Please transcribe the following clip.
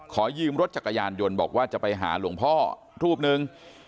ขอยืมรถจักรยานยนต์บอกว่าจะไปหาหลวงพ่อรูปหนึ่ง